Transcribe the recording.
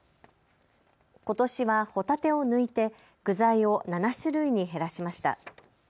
ことしはホタテを抜いて具材を７種類に減らしました。